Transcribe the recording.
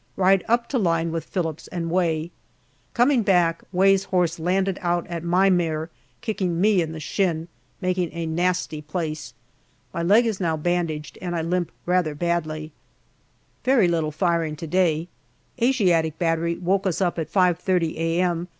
Ride up to line with Phillips and Way. Coming back, Way's horse landed out at my mare, kicking me in the shin, making a nasty place. My leg is now bandaged, and I limp rather badly. JUNE 127 Very little firing to day. Asiatic battery woke us up at 5.30 a.m.